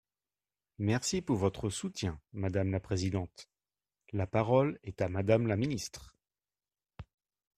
Merci pour votre soutien, madame la présidente ! La parole est à Madame la ministre.